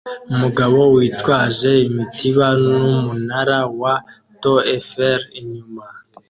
Umugabo witwaje imitiba n'umunara wa To eferi inyuma